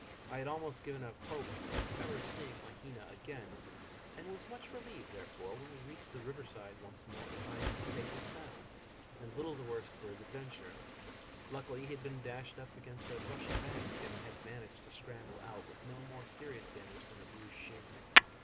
I had almost given up hope of ever seeing Mahina again, and was much relieved, therefore, when we reached the river side once more, to find him safe and sound, and little the worse for his adventure. Luckily he had been dashed up against a rushy bank, and had managed to scramble out with no more serious damage than a bruised shin.